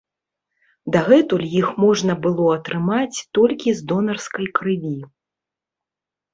Дагэтуль іх можна было атрымаць толькі з донарскай крыві.